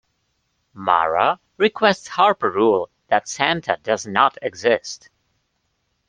Mara requests Harper rule that Santa does not exist.